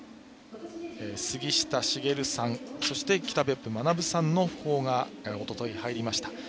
杉下茂さんそして北別府学さんの訃報がおととい、入りました。